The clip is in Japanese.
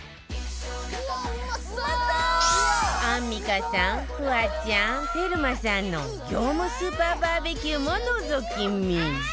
アンミカさんフワちゃんテルマさんの業務スーパーバーベキューものぞき見